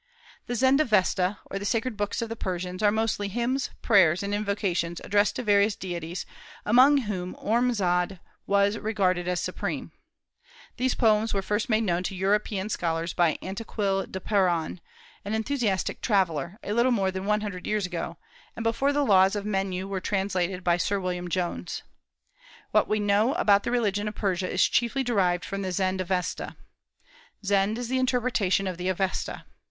The Zend Avesta, or the sacred books of the Persians, are mostly hymns, prayers, and invocations addressed to various deities, among whom Ormazd was regarded as supreme. These poems were first made known to European scholars by Anquetil du Perron, an enthusiastic traveller, a little more than one hundred years ago, and before the laws of Menu were translated by Sir William Jones. What we know about the religion of Persia is chiefly derived from the Zend Avesta. Zend is the interpretation of the Avesta.